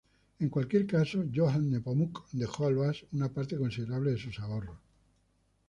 En cualquier caso, Johann Nepomuk dejó Alois una parte considerable de sus ahorros.